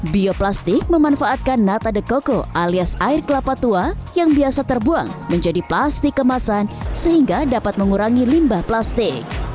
bioplastik memanfaatkan nata de coco alias air kelapa tua yang biasa terbuang menjadi plastik kemasan sehingga dapat mengurangi limbah plastik